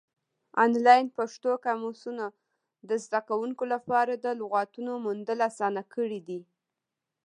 آنلاین پښتو قاموسونه د زده کوونکو لپاره د لغاتو موندل اسانه کړي دي.